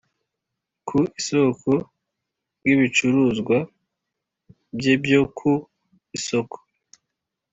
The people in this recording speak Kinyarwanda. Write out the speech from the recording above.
ku isoko ry ibicuruzwa bye byo ku isoko